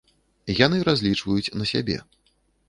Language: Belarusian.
Яны разлічваюць на сябе.